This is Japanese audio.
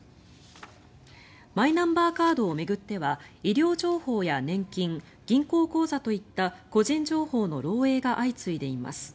マイナンバーカードを巡っては医療情報や年金銀行口座といった個人情報の漏えいが相次いでいます。